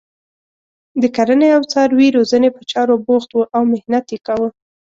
د کرنې او څاروي روزنې په چارو بوخت وو او محنت یې کاوه.